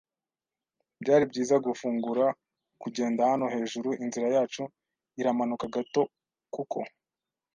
Byari byiza gufungura kugenda hano, hejuru; inzira yacu iramanuka gato, kuko,